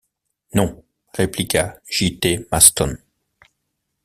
Non! répliqua J.-T. Maston.